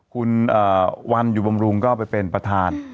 คุณวันอยู่บำรุงก็ไปเป็นประธาน